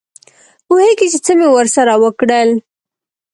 پوهېږې چې څه مې ورسره وکړل.